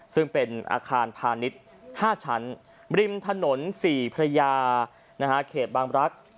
ซึ่งเป็นอาคารพาณิชย์๕ชั้นริมถนน๔พระยาเขตบางรักษ์